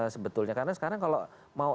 sebetulnya karena sekarang kalau mau